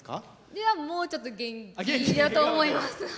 いや、もうちょっと元気だと思います。